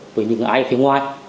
với những ai phía ngoài